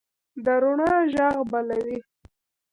د روڼا ږغ بلوي